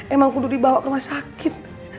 emang udah dibawa ke rumah sakit